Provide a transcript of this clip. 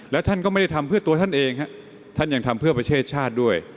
แล้วท่านก็ไม่ได้ทำเพื่อตัวท่านเองฮะท่านยังทำเพื่อประเทศชาติด้วย